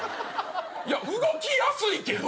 いや動きやすいけど。